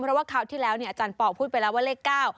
เพราะว่าคราวที่แล้วเนี่ยอาจารย์ปอพูดไปแล้วว่าเลข๙